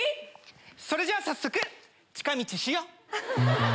それじゃあ早速近道しよう！